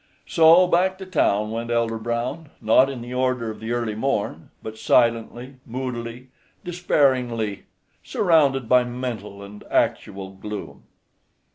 So back to town went Elder Brown, not in the order of the early morn, but silently, moodily, despairingly, surrounded by mental and actual gloom.